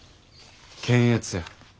検閲や。